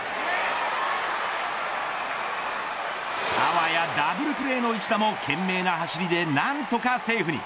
あわやダブルプレーの一打も懸命な走りで何とかセーフに。